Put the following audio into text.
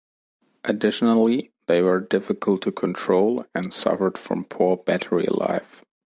Additionally, they were difficult to control and suffered from poor battery life.